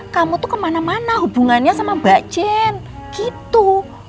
kamu tuh kemana mana hubungannya sama mbak jen gitu